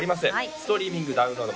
ストリーミングダウンロード